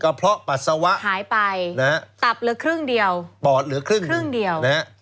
กระเพาะปัสสาวะหายไปตับเหลือครึ่งเดียวปอดเหลือครึ่งเดียว